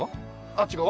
あっち側？